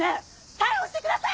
逮捕してください！